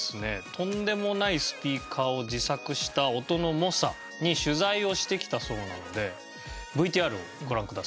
とんでもないスピーカーを自作した音の猛者に取材をしてきたそうなのでＶＴＲをご覧ください。